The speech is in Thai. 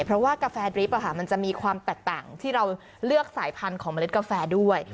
เพราะว่ากาแฟดริฟต์มันจะมีความแตกต่างที่เราเลือกสายพันธุ์ของเมล็ดกาแฟด้วย